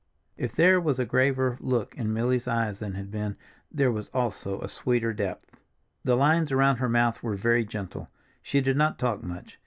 If there was a graver look in Milly's eyes than had been, there was also a sweeter depth. The lines around her mouth were very gentle. She did not talk much.